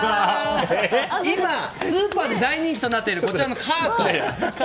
スーパーで大人気となっているこちらのカート。